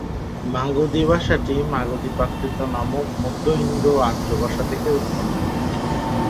মাগধী ভাষাটি মাগধী প্রাকৃত নামক মধ্য ইন্দো-আর্য ভাষা থেকে উৎপন্ন হয়েছে।